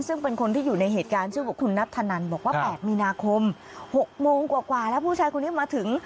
ซึ่งเป็นคนที่อยู่ในเหตุการณ์ชื่อว่าคุณนัทธนันบอกว่า๘มีนาคม๖โมงกว่าแล้วผู้ชายคนนี้มาถึง